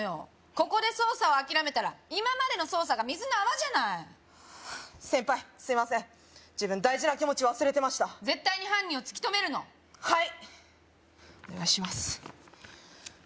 ここで捜査を諦めたら今までの捜査が水の泡じゃない先輩すいません自分大事な気持ち忘れてました絶対に犯人を突き止めるのはいお願いします